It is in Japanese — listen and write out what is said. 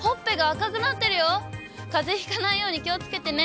かぜひかないように気をつけてね。